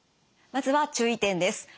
まずは注意点です。